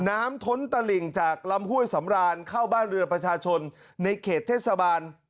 ท้นตะหลิ่งจากลำห้วยสำรานเข้าบ้านเรือประชาชนในเขตเทศบาล